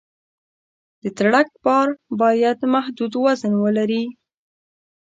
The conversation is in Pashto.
د ټرک بار باید محدود وزن ولري.